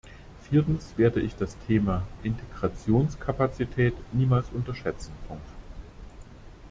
Viertens werde ich das Thema Integrationskapazität niemals unterschätzen.